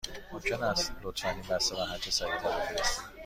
ممکن است لطفاً این بسته را هرچه سریع تر بفرستید؟